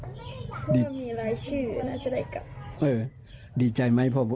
เพราะว่ามีรายชื่อก็น่าจะได้กลับเออดีใจไหม